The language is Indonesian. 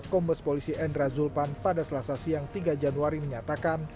kombes polisi endra zulpan pada selasa siang tiga januari menyatakan